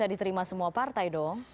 tidak diterima semua partai dong